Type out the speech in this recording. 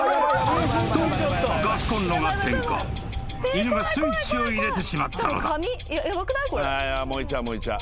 ［犬がスイッチを入れてしまったのだ］